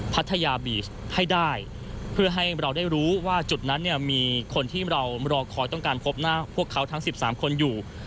พัทยาบีชให้ได้เพื่อให้เราได้รู้ว่าจุดนั้นเนี่ยมีคนที่เรารอคอยต้องการพบหน้าพวกเขาทั้ง๑๓คนอยู่